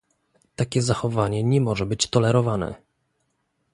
Takie zachowanie nie może być tolerowane